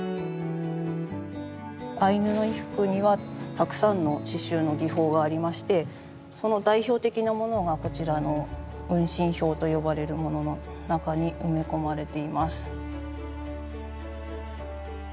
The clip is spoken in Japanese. アイヌの衣服にはたくさんの刺しゅうの技法がありましてその代表的なものがこちらの運針表と呼ばれるものの中に埋め込まれています。